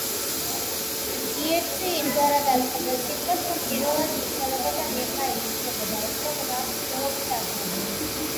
იეიტსი იმგვარად აწყობდა სიტყვებს, რომ პირველად მნიშვნელობათა მიღმა ისახებოდა უფრო ღრმა მნიშვნელობის აზრები.